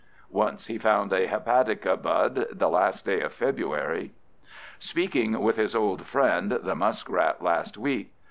Once he found a hepatica bud the last day of February ... Speaking with his old friend, the muskrat, last week